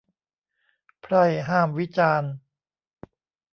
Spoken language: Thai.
ไพร่ห้ามวิจารณ์ !